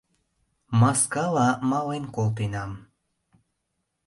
Маскала мален колтенам!